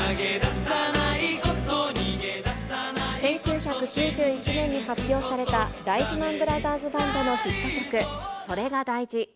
１９９１年に発表された、大事ＭＡＮブラザーズバンドのヒット曲、それが大事。